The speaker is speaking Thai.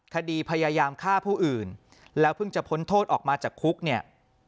คดีพยายามฆ่าผู้อื่นแล้วเพิ่งจะพ้นโทษออกมาจากคุกเนี่ย